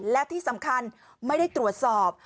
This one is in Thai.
และที่สำคัญไม่ได้ตรวจสอบ